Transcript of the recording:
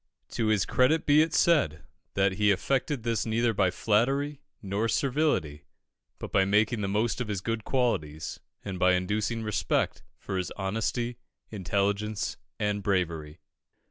To his credit be it said, that he effected this neither by flattery nor servility, but by making the most of his good qualities, and by inducing respect for his honesty, intelligence, and bravery.